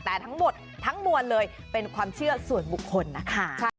แต่ทั้งหมดทั้งมวลเลยเป็นความเชื่อส่วนบุคคลนะคะ